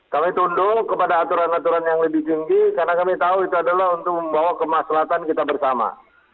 kami tunduk kepada aturan aturan yang lebih tinggi karena kami tahu itu adalah untuk membawa kemaslahan kita bersama